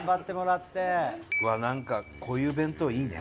なんかこういう弁当いいね。